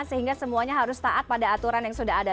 sehingga semuanya harus taat pada aturan yang sudah ada